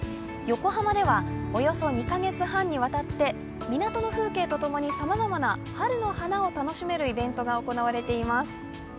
横浜では、およそ２カ月半にわたって港の風景とともにさまざまな春の花を楽しめるイベントが行われています。